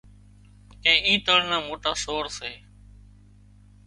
ڪي اي تۯ نا موٽا سور سي